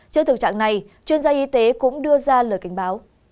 trước thực trạng này chuyên gia y tế cũng đưa ra lời cảnh báo